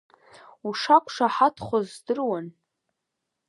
Ушақәшаҳаҭхоз здыруан.